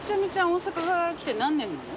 大阪から来て何年なの？